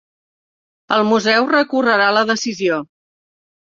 El museu recorrerà la decisió